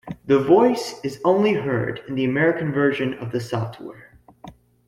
The voice is only heard in the American version of the software.